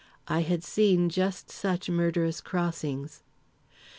I had seen just such murderous crossings.